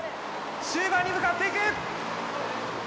終盤に向かっていく。